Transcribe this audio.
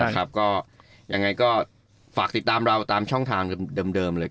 ก็ยังไงก็ฝากติดตามเราตามช่องทางเดิมเลย